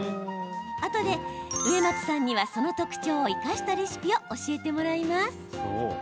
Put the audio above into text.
あとで植松さんにはその特徴を生かしたレシピを教えてもらいます。